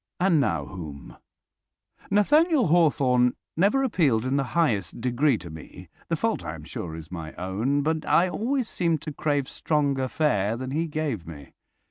And now whom? Nathaniel Hawthorne never appealed in the highest degree to me. The fault, I am sure, is my own, but I always seemed to crave stronger fare than he gave me.